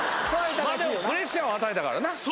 プレッシャーを与えたからな。